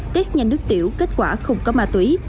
test nhanh nước tiểu kết quả không có ma túy